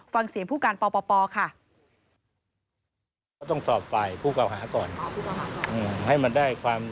ฟังเสียงผู้การปปค่ะ